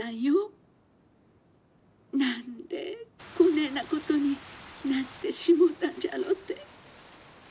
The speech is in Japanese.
何でこねえなことになってしもうたんじゃろうって。